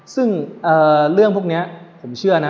ซึ่งเรื่องพวกนี้ผมเชื่อนะ